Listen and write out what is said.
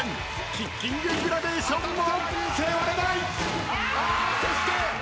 キッキンググラデーションも。